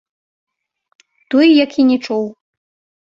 Той як і не чуў.